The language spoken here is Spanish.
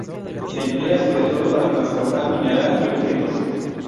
Se emplea sobre todo para transportar mineral y objetos.